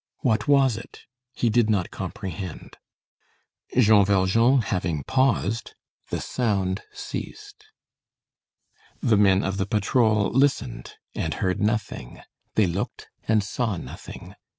What was it? He did not comprehend. Jean Valjean having paused, the sound ceased. The men of the patrol listened, and heard nothing, they looked and saw nothing.